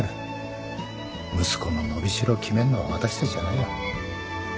息子の伸び代を決めるのは私たちじゃないよ。